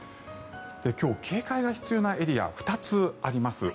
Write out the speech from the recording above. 今日、警戒が必要なエリアが２つあります。